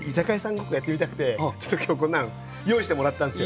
ごっこやってみたくてちょっと今日こんなん用意してもらったんすよ。